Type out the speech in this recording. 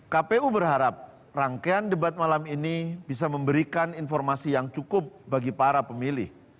kpu berharap rangkaian debat malam ini bisa memberikan informasi yang cukup bagi para pemilih